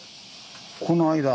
この間。